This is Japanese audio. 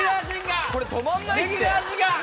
これ止まんないって。